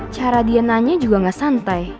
cara dia nanya juga gak santai